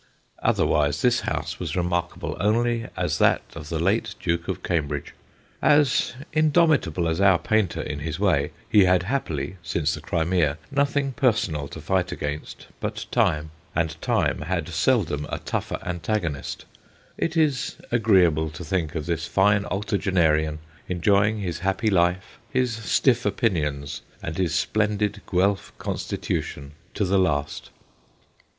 ' Otherwise this house was remarkable only as that of the late Duke of Cambridge. As indomitable as our painter in his way, he had happily since the Crimea nothing personal to fight against but Time, and Time had seldom a 242 THE GHOSTS OF PICCADILLY tougher antagonist. It is agreeable to think of this fine octogenarian, enjoying his happy life, his stiff opinions, and his splendid Guelph constitution to the last.